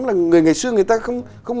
là ngày xưa người ta không